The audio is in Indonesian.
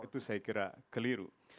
itu saya kira keliru